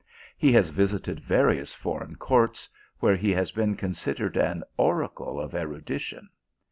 He has visited various foreign courts, where he has been considered an oracle of erudition.